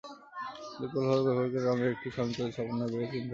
বিকল্পভাবে, ব্যবহারকারীরা রঙের একটি "স্বয়ংক্রিয়" সমন্বয় বেছে নিতে পারেন।